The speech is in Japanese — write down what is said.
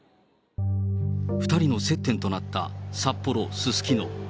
２人の接点となった札幌・すすきの。